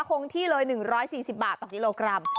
คงที่เลย๑๔๐บาทต่อกิโลกรัม